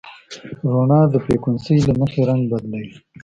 رڼا د فریکونسۍ له مخې رنګ بدلوي.